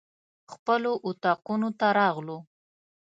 خپلو اطاقونو ته راغلو.